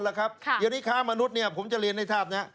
อย่างนี้คารมนุษย์ผมจะเรียนในภาพนี้